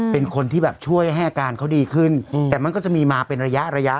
เป็นคนที่แบบช่วยให้อาการเขาดีขึ้นแต่มันก็จะมีมาเป็นระยะระยะ